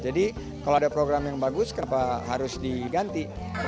jadi kalau ada program yang bagus kenapa harus diganti